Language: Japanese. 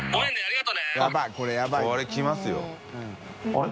あれ？